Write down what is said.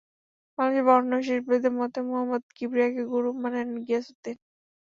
বাংলাদেশের বরেণ্য শিল্পীদের মধ্যে মোহাম্মদ কিবরিয়াকে গুরু মানেন গিয়াস উদ্দীন।